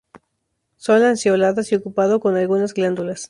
Son lanceoladas y ocupado con algunas glándulas.